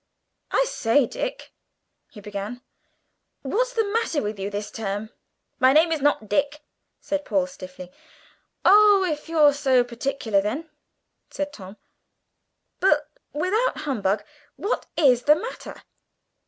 "I say, Dick," he began, "what's the matter with you this term?" "My name is not Dick," said Paul stiffly. "Oh, if you're so particular then," said Tom: "but, without humbug, what is the matter?"